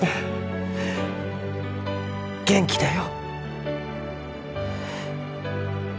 元気だよ